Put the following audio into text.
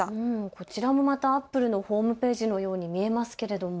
こちらもまたＡｐｐｌｅのホームページのように見えますけれども。